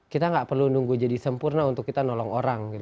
kita nggak perlu nunggu jadi sempurna untuk kita nolong orang gitu